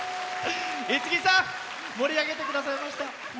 五木さん盛り上げてくださいました。